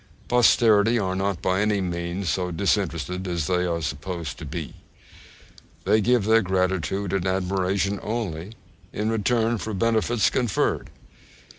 Posterity are not by any means so disinterested as they are supposed to be. They give their gratitude and admiration only in return for benefits conferred.